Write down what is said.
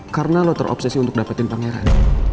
karena lo terobsesi untuk dapetin pangeran